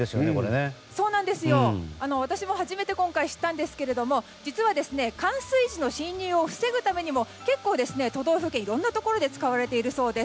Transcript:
私も初めて今回、知ったんですけど実は、冠水時の侵入を防ぐためにも結構、都道府県いろんなところで使われているそうです。